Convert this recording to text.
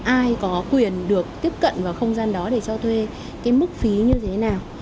ai có quyền được tiếp cận vào không gian đó để cho thuê cái mức phí như thế nào